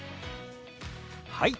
はい！